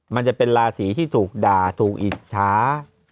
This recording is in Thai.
มันจะเป็นราศีที่ถูกด่าถูกอิจฉา